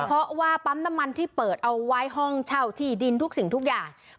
เพราะว่าปั๊มน้ำมันที่เปิดเอาไว้ห้องเช่าที่ดินทุกสิ่งทุกอย่าง